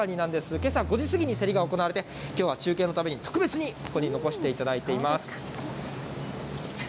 けさ５時過ぎに競りが行われて、きょうは中継のために、特別にここに残していただいています。